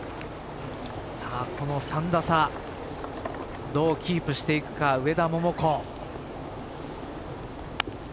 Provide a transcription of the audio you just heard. この３打差どうキープしていくか上田桃子。